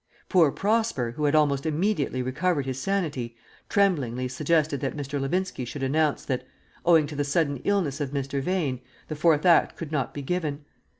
Poor Prosper, who had almost immediately recovered his sanity, tremblingly suggested that Mr. Levinski should announce that, owing to the sudden illness of Mr. Vane, the Fourth Act could not be given.